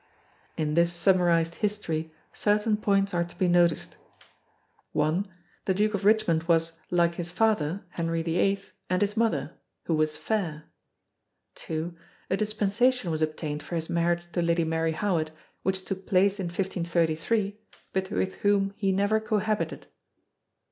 In this summarised history certain points are to be noticed: (1) The Duke of Richmond was like his father (Henry VIII) and his mother who was "fayre." (2) A Dispensation was obtained for his marriage to Lady Mary Howard which took place in 1533 but with whom he never cohabited.